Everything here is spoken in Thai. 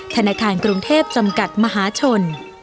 ธนาคารกรุงเทพจำกัดมหาชน